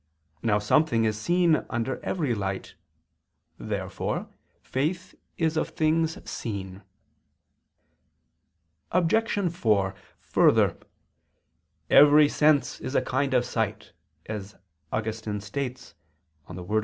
Now something is seen under every light. Therefore faith is of things seen. Obj. 4: Further, "Every sense is a kind of sight," as Augustine states (De Verb.